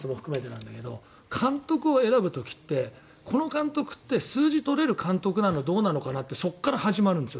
なんだけど監督を選ぶ時ってこの監督って数字取れる監督なのどうなのかなってそこから始まるんです。